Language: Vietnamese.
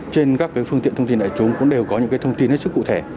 trên các phương tiện thông tin đại chúng cũng đều có những thông tin rất cụ thể